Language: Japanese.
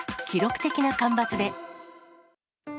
記録的な干ばつで。